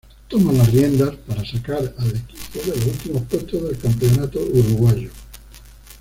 Toma las riendas para sacar al equipo de los últimos puestos del campeonato uruguayo.